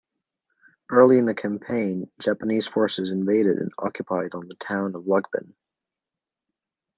Early in the campaign, Japanese forces invaded and occupied on the town of Lucban.